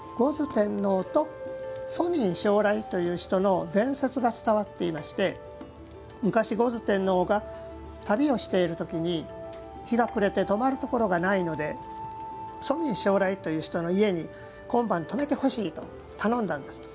天王と蘇民将来という人の伝説が伝わっていまして昔、牛頭天王が旅をしているときに日が暮れて泊まるところがないので蘇民将来という人の家に今晩、泊めてほしいと頼んだんです。